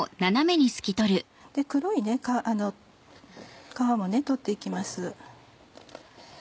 黒い皮も取って行きます。